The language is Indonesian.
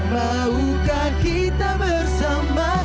maukah kita bersama